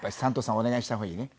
お願いした方がいいね。